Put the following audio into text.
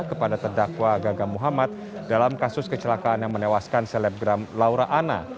kepada terdakwa gaga muhammad dalam kasus kecelakaan yang menewaskan selebgram laura anna